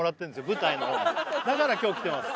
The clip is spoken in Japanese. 舞台のだから今日来てます